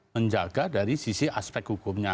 menjaga dari sisi aspek hukumnya